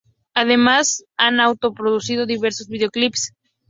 Además han auto-producido diversos videoclips.